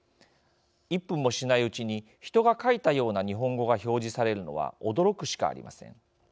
１分もしないうちに人が書いたような日本語が表示されるのは驚くしかありません。